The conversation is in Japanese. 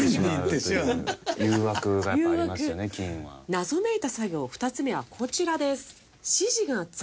謎めいた作業２つ目はこちらです。